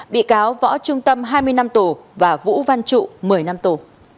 bị cáo võ trung tâm hai mươi năm tù và vũ văn trụ một mươi năm tù